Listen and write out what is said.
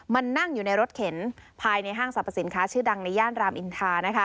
มันนั่งอยู่ในรถเข็นภายในห้างสรรพสินค้าชื่อดังในย่านรามอินทา